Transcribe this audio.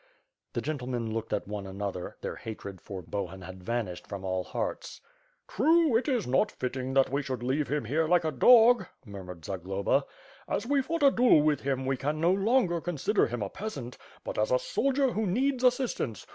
The gentlemen looked at one another, their hatred for Bohun had vanished from all hearts. "True; it is not fitting that we should leave him here like a dog," murmured Zagloba, "as we fought a duel with him, we can no longer consider him a peasant, but as a soldier who needs assistance.